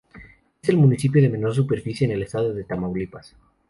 Es el municipio de menor superficie en el estado de Tamaulipas.